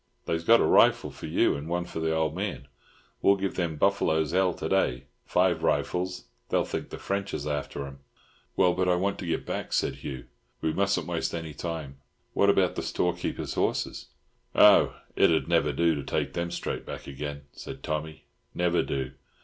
They's got a rifle for you, and one for the old man. "We'll give them buff'loes hell to day. Five rifles—they'll think the French is after them." "Well, but I want to get back," said Hugh. "We mustn't waste any time. What about the store keeper's horses?" "Ho! it'd never do to take them straight back again," said Tommy. "Never do.